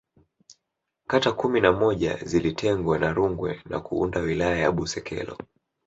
kata kumi na moja zilitengwa na Rungwe na kuunda Wilaya ya Busekelo